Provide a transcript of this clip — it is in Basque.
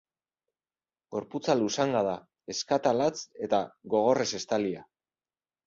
Gorputza luzanga da, ezkata latz eta gogorrez estalia.